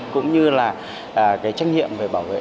cũng như là trách nhiệm về bảo vệ